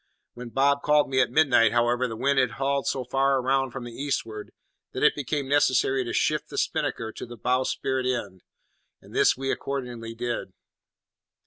When Bob called me at midnight, however, the wind had hauled so far round from the eastward that it became necessary to shift the spinnaker to the bowsprit end; and this we accordingly did.